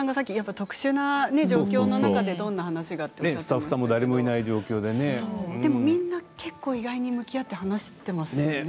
特殊な状況の中でどんな話がとおっしゃっていましたけれどでも、みんな意外と向き合って話してますよね。